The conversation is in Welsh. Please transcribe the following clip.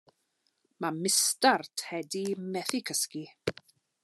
Mae Mistar Tedi'n methu cysgu.